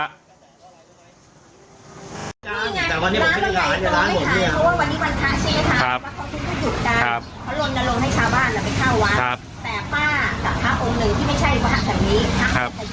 อย่าร้านหมดเนี้ยตอนนี้ค่ะ